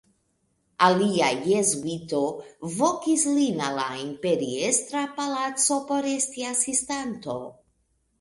Alia jezuito vokis lin al la imperiestra palaco por esti asistanto.